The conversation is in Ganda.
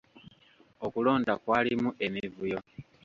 Okulonda kwalimu emivuyo.